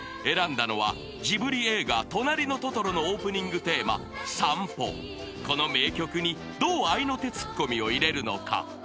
［選んだのはジブリ映画『となりのトトロ』のオープニングテーマ『さんぽ』この名曲にどう合いの手ツッコミを入れるのか］